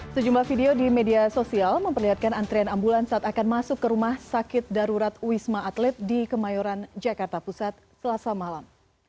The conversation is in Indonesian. sejumlah video di media sosial memperlihatkan antrian ambulan saat akan masuk ke rumah sakit darurat wisma atlet di kemayoran jakarta pusat selasa malam